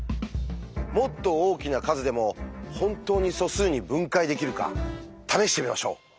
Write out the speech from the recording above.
もっと大きな数でも本当に素数に分解できるか試してみましょう。